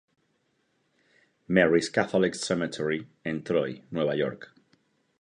Mary's Catholic Cemetery en Troy, Nueva York.